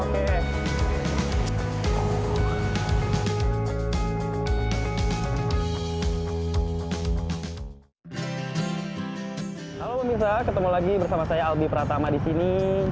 halo pemirsa ketemu lagi bersama saya albi pratama di sini